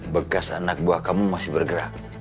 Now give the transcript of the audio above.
bekas anak buah kamu masih bergerak